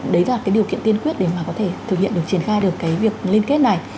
đấy là cái điều kiện tiên quyết để mà có thể thực hiện được triển khai được cái việc liên kết này